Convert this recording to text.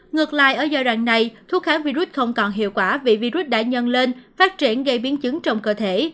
ngược lại ở giai đoạn này thuốc kháng virus không còn hiệu quả vì virus đã nhân lên phát triển gây biến chứng trong cơ thể